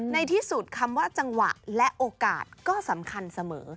ในที่สุดคำว่าจังหวะและโอกาสก็สำคัญเสมอ